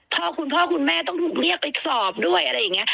คุณพ่อคุณพ่อคุณแม่ต้องถูกเรียกไปสอบด้วยอะไรอย่างนี้